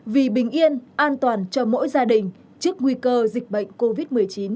vì bình yên an toàn cho mỗi gia đình trước nguy cơ dịch bệnh covid một mươi chín